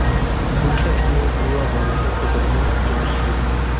Surge así un trío amoroso que termina en tragedia.